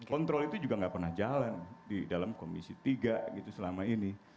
kontrol itu juga nggak pernah jalan di dalam komisi tiga gitu selama ini